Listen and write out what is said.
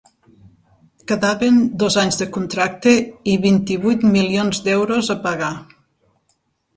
Quedaven dos anys de contracte i vint-i-vuit milions d’euros a pagar.